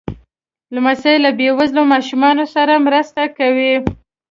لمسی له بې وزله ماشومانو سره مرسته کوي.